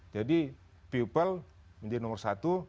jadi people menjadi nomor satu